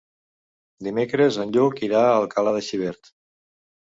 Dimecres en Lluc irà a Alcalà de Xivert.